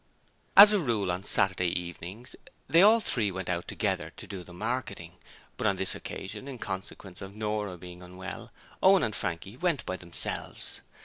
As a rule on Saturday evenings they all three went out together to do the marketing, but on this occasion, in consequence of Nora being unwell, Owen and Frankie went by themselves.